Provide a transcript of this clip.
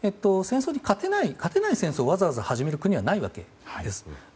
勝てない戦争を、わざわざ始める国はないわけです。